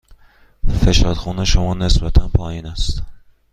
فشار خون شما نسبتاً پایین است.